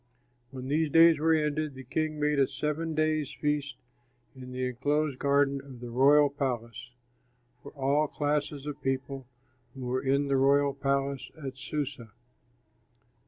When these days were ended, the king made a seven days' feast in the enclosed garden of the royal palace, for all classes of people who were in the royal palace at Susa.